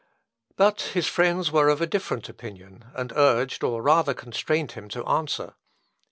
" But his friends were of a different opinion, and urged, or rather constrained him to answer.